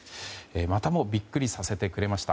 またもビックリさせてくれました。